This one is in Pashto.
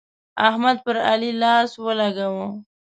احمد پر علي لاس ولګاوو.